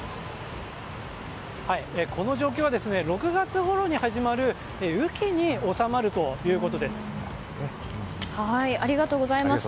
この状況は６月ごろに始まるありがとうございました。